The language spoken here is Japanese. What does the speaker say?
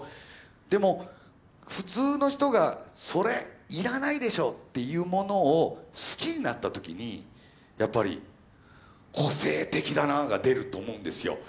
でも普通の人がそれ要らないでしょって言うものを好きになった時にやっぱり「個性的だな」が出ると思うんですよ。